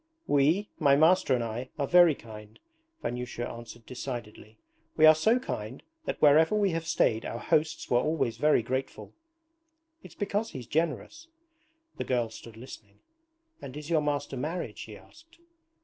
'We, my master and I, are very kind,' Vanyusha answered decidedly. 'We are so kind that wherever we have stayed our hosts were always very grateful. It's because he's generous.' The girl stood listening. 'And is your master married?' she asked.